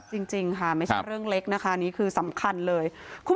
จริงค่ะไม่ใช่เรื่องเล็กนะคะนี่คือสำคัญเลย